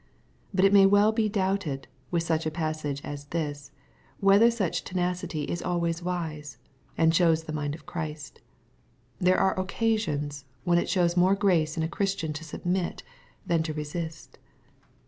But it may well be doubted, with such a passage as this, whether such tenacity is always wise, and shows the mind of Christ. There are occasions, when it shows more grace in a Christian to submit than to resist.